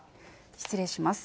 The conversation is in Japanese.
失礼します。